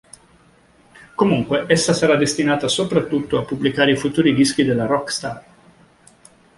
Comunque, essa sarà destinata soprattutto a pubblicare i futuri dischi della rockstar.